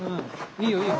いいよいいよ。